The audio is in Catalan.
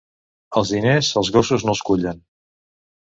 Els diners, els gossos no els cullen.